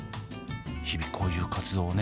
日々こういう活動をね